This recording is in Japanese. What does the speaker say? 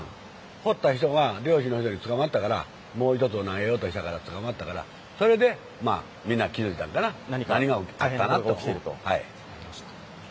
放った人が漁師の人に捕まったから、もう１つ投げようとしたから捕まったから、それでみんな気づいたんかな、何か起こったと。